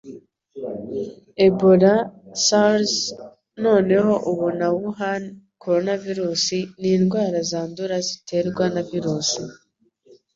Ebola, SARS, noneho ubu na Wuhan coronavirus, ni ndwara zandura ziterwa na virusi